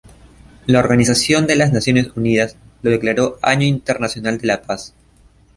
La Organización de las Naciones Unidas lo declaró Año Internacional de la Paz.